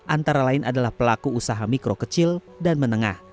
antara lain adalah pelaku usaha mikro kecil dan menengah